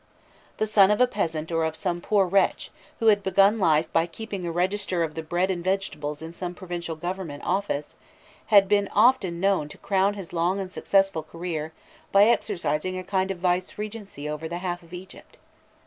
The son of a peasant or of some poor wretch, who had begun life by keeping a register of the bread and vegetables in some provincial government office, had been often known to crown his long and successful career by exercising a kind of vice regency over the half of Egypt.